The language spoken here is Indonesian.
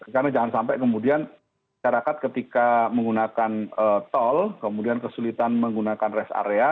karena jangan sampai kemudian syarikat ketika menggunakan tol kemudian kesulitan menggunakan rest area